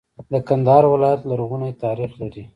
کندهار ولایت لرغونی تاریخ لري.